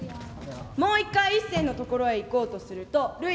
もう一回一清の所へ行こうとするとる